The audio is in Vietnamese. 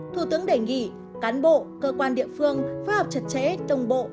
thủ tướng đề nghị cán bộ cơ quan địa phương phát hợp chật chẽ đồng bộ